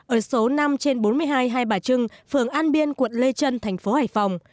ở số năm trên bốn mươi hai hai bà trưng phường an biên quận lê trân thành phố hải phòng